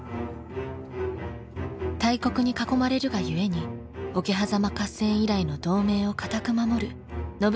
大国に囲まれるがゆえに桶狭間合戦以来の同盟を堅く守る信長と家康。